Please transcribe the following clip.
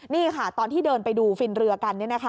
นี่ค่ะตอนที่เดินไปดูฟินเรือกัน